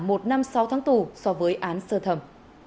một năm sáu tháng tù so với án sơ thẩm